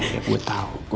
lo tenang dulu sekarang ya